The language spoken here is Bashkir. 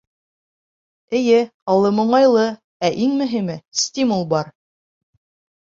Эйе, алым уңайлы, ә иң мөһиме — стимул бар.